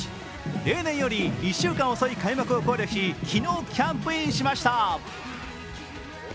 例年より１週間遅い開幕を考慮し昨日、キャンプインしました。